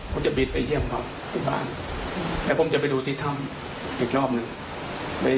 ผมจะบินไปเยี่ยมเขาที่บ้านแล้วผมจะไปดูที่ถ้ำอีกรอบหนึ่ง